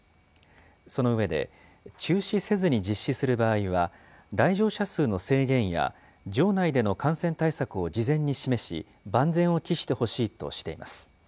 その上で、中止せずに実施する場合は、来場者数の制限や、場内での感染対策を事前に示し、万全を期してほしいとしています。